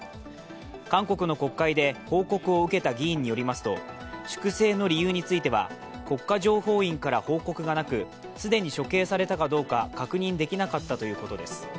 韓国の国会で報告を受けた議員によりますと粛清の理由については国家情報院から報告がなく既に処刑されたかどうか確認できなかったということです。